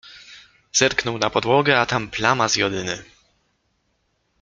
Zerknął na podłogę, a tam plama z jodyny.